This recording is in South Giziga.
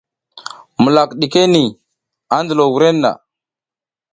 Mulak ɗike niʼhi, a ndilo wurenna.